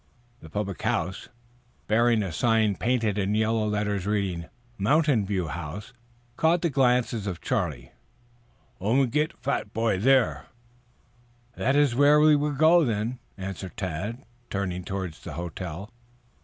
The public house, bearing a sign painted in yellow letters reading, "Mountain View House," caught the glances of Charlie. "Um git fat boy there." "That is where we will go then," answered Tad, turning towards the hotel.